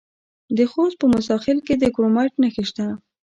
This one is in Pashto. د خوست په موسی خیل کې د کرومایټ نښې شته.